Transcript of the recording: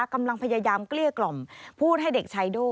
กำลังพยายามเกลี้ยกล่อมพูดให้เด็กชายโด่